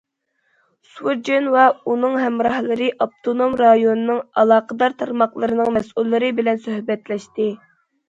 سۇ جۈن ۋە ئۇنىڭ ھەمراھلىرى ئاپتونوم رايوننىڭ ئالاقىدار تارماقلىرىنىڭ مەسئۇللىرى بىلەن سۆھبەتلەشتى.